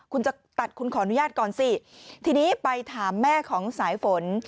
คุณจะตัดคุณขออนุญาตก่อนสิทีนี้ไปถามแม่ของสายฝน